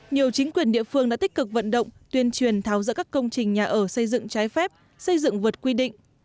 nhiều chính quyền địa phương đã tích cực vận động tuyên truyền tháo rỡ các công trình nhà ở xây dựng trái phép xây dựng vượt quy định